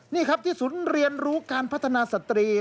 นี่ครับที่ศูนย์เรียนรู้การพัฒนาสตรี